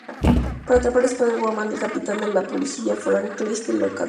Para atrapar a Spider-Woman, el capitán de la policía Frank Castle lo contrató.